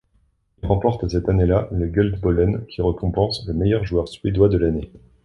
Il remporte cette année-là le Guldbollen qui récompense le meilleur joueur suédois de l'année.